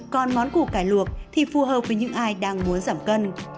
còn món củ cải luộc thì phù hợp với những ai đang muốn giảm cân